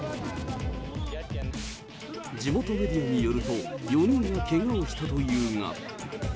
地元メディアによると、４人がけがをしたというが。